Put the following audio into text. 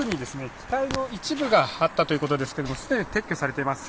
機体の一部があったということですけども撤去されています